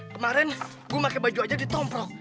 kemaren gue pake baju aja ditomprok